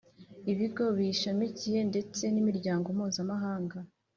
Ibigo biyishamikiyeho ndetse n’Imiryango Mpuzamahanga